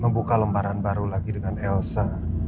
membuka lembaran baru lagi dengan elsa